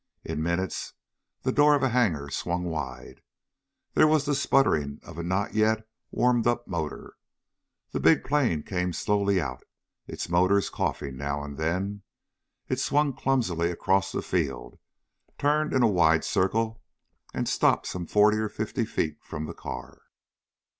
In minutes the door of a hangar swung wide. There was the sputtering of a not yet warmed up motor. The big plane came slowly out, its motors coughing now and then. It swung clumsily across the field, turned in a wide circle, and stopped some forty or fifty feet from the car.